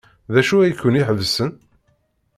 D acu ay ken-iḥebsen?